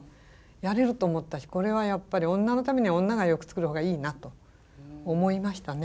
やれると思ったしこれはやっぱり女のためには女が洋服作るほうがいいなと思いましたね。